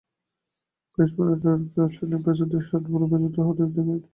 ব্রিসবেনে ট্রটকে অস্ট্রেলিয়ান পেসারদের শর্ট বলে বিপর্যস্ত হতে দেখে টিপ্পনী কেটেছিলেন ওয়ার্নার।